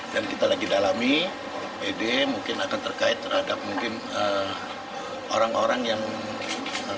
dan kita lagi dalami ed mungkin akan terkait terhadap mungkin orang orang yang